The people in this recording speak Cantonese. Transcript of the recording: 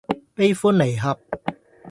悲歡離合